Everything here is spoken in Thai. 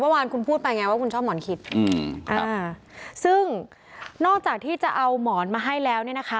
เมื่อวานคุณพูดไปไงว่าคุณชอบหมอนคิดอืมอ่าซึ่งนอกจากที่จะเอาหมอนมาให้แล้วเนี่ยนะคะ